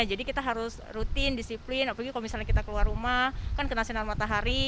jadi kita harus rutin disiplin apalagi kalau misalnya kita keluar rumah kan kena sinar matahari